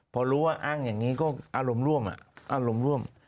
พอรู้ว่าอ้างอย่างนี้ก็อารมณ์ร่วม